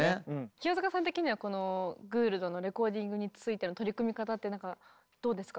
清塚さん的にはこのグールドのレコーディングについての取り組み方ってどうですか？